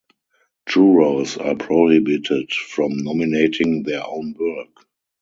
Jurors are prohibited from nominating their own work.